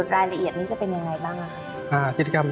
ไฟออกให้มีอวกที่สุดมาเรื่องการโพรวัติธรรม